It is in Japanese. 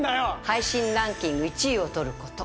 配信ランキング１位をとること